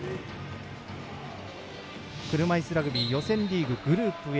車いすラグビー予選リーググループＡ。